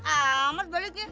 ah mat balik ya